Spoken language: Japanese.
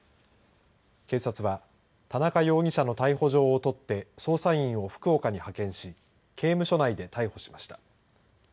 警察は田中容疑者の逮捕状を取って捜査員を福岡に派遣し刑務所内で逮捕しました。